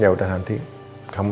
yaudah nanti kamu